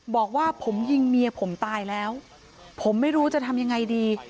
บอกว่าผมยิงเมียผมตายแล้วผมไม่รู้จะทำยังไงดี